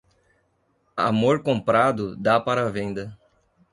Amor comprado dá para venda.